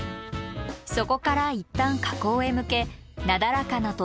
そこからいったん火口へ向けなだらかな登山道を下ります。